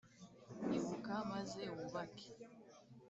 Ibuka, maze wubake.